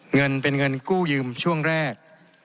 เงินเป็นเงินกู้ยืมช่วงแรก